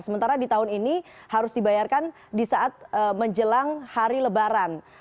sementara di tahun ini harus dibayarkan di saat menjelang hari lebaran